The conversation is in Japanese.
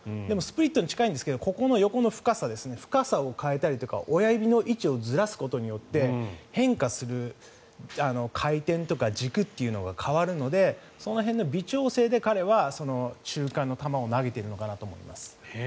でも、スプリットに近いんですが横の深さを変えたりとか親指の位置をずらすことによって変化する回転とか軸というのが変わるのでその辺の微調整で彼は中間の球を投げているのかなと思います。